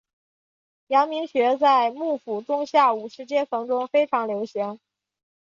阳明学在幕府中下武士阶层中非常流行。